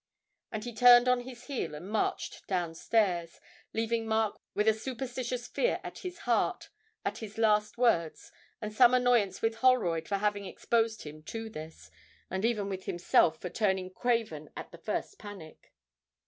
And he turned on his heel and marched downstairs, leaving Mark with a superstitious fear at his heart at his last words, and some annoyance with Holroyd for having exposed him to this, and even with himself for turning craven at the first panic.